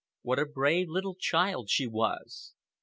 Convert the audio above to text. What a brave little child she was!